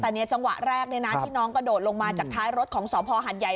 แต่จังหวะแรกที่น้องกระโดดลงมาจากท้ายรถของสพหัดใหญ่